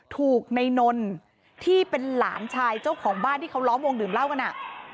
ถูกในนนที่เป็นหลานชายเจ้าของบ้านที่เขาล้อมวงดื่มเหล้ากันอ่ะ